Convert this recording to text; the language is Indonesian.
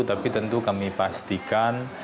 tapi tentu kami pastikan